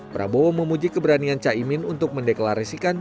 prabowo memuji keberanian caimin untuk mendeklarasikan